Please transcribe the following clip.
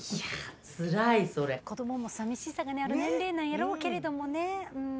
子どもも寂しさがある年齢なんやろうけれどもね。